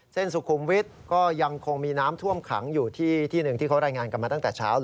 สุขุมวิทย์ก็ยังคงมีน้ำท่วมขังอยู่ที่ที่หนึ่งที่เขารายงานกันมาตั้งแต่เช้า